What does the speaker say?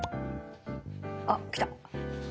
あっ来た！